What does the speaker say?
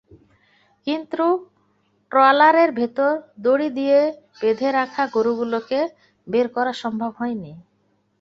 কিন্তু ট্রলারের ভেতর দড়ি দিয়ে বেঁধে রাখা গরুগুলোকে বের করা সম্ভব হয়নি।